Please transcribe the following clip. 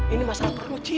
ini masalah perlu ji